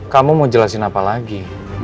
kamu mau jelasin apa lagi